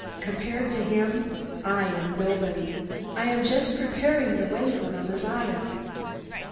Compared to him, I am nobody. I am just preparing the way for the Messiah."